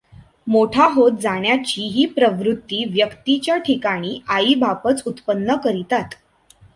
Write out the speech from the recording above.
मोठा होत जाण्याची ही प्रवृत्ती व्यक्तीच्या ठिकाणी आईबापच उत्पन्न करितात.